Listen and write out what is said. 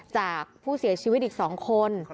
จากผู้เสียชีวิตอีก๒คน